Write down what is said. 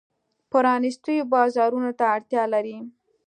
پرانیستو بازارونو ته اړتیا لري.